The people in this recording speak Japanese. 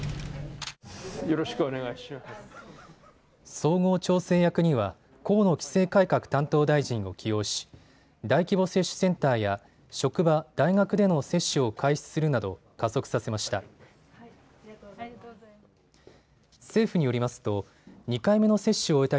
総合調整役には河野規制改革担当大臣を起用し大規模接種センターや職場、大学での接種を開始するなど加速させました。